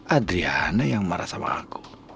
adriana yang marah sama aku